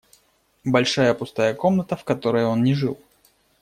Большая пустая комната, в которой он не жил.